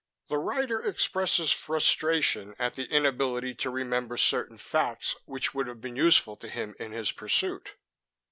The writer expresses frustration at the inability to remember certain facts which would have been useful to him in his pursuit."